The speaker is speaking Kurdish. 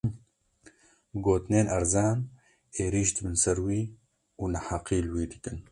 Bi gotinên erzan, êrîş dibin ser wî û neheqî li wî dikin